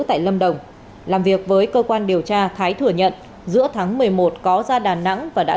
tại lâm đồng làm việc với cơ quan điều tra thái thừa nhận giữa tháng một mươi một có ra đà nẵng và đã